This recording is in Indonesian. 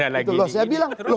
tidak ada lagi ini